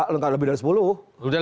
lebih dari sepuluh